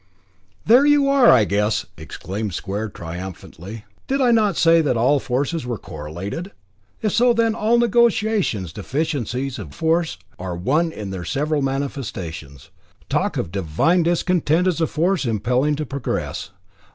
"There you are, I guess!" exclaimed Square triumphantly. "Did I not say that all forces were correlated? If so, then all negations, deficiencies of force are one in their several manifestations. Talk of Divine discontent as a force impelling to progress!